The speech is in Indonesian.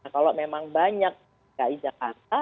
kalau memang banyak kakak di jakarta